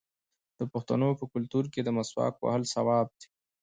د پښتنو په کلتور کې د مسواک وهل ثواب دی.